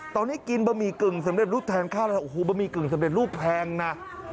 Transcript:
ตอนนี้กินบะหมี่กึ่งสำเร็จรูปแทนข้าวแล้วโอ้โหบะหมี่กึ่งสำเร็จรูปแพงนะ